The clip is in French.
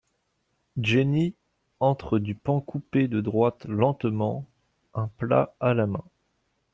Jenny entre du pan coupé de droite lentement, un plat à la main.